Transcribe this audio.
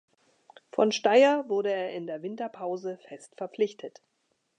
Von Steyr wurde er in der Winterpause fest verpflichtet.